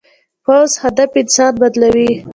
پوخ هدف انسان بدلوي